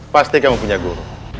pasti kamu punya guru